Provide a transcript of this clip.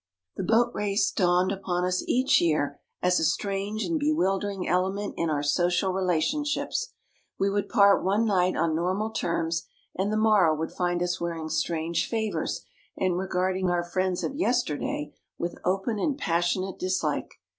The Boat Race dawned upon us each year as a strange and bewildering element in our social relationships. We would part one night on normal terms, and the morrow would find us wearing strange favours, and regarding our friends of yesterday with open and passionate dislike.